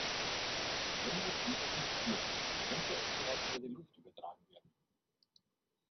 Wenn das Virus mutiert, könnte es vielleicht über die Luft übertragen werden.